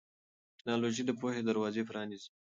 ټیکنالوژي د پوهې دروازې پرانیزي.